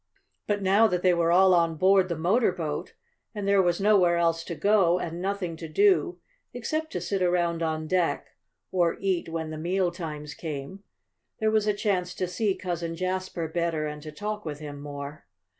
But now that they were all on board the motor boat, and there was nowhere else to go, and nothing to do, except to sit around on deck, or eat when the meal times came, there was a chance to see Cousin Jasper better and to talk with him more.